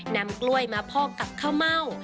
นำกล้วยมาพอกกับข้าวเม่า